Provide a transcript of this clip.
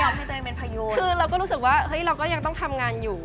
คือเราก็รู้สึกว่าเราก็ยังต้องทำงานอยู่